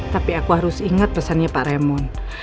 tapi aku harus inget pesannya pak raymond